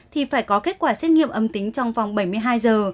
thì phải có kết quả xét nghiệm âm tính trong vòng bảy mươi hai giờ